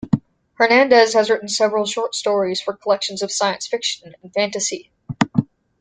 Hernandez has written several short stories for collections of science fiction and fantasy.